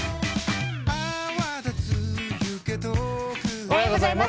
おはようございます。